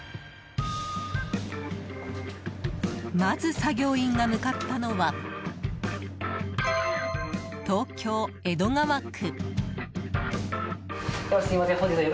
まず作業員が向かったのは東京・江戸川区。